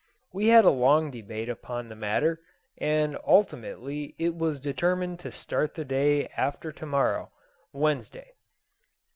We had a long debate upon the matter, and ultimately it was determined to start the day after to morrow (Wednesday).